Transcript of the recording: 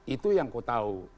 itu yang ku tahu